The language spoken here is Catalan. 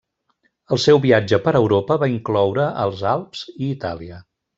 El seu viatge per Europa va incloure els Alps i Itàlia.